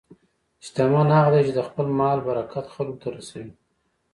شتمن هغه دی چې د خپل مال برکت خلکو ته رسوي.